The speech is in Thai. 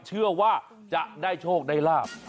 เชื่อว่าจะได้โชคได้ลาบ